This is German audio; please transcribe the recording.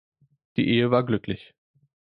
Die Ehe war glücklich.